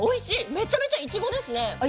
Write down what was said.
めちゃめちゃいちごですね。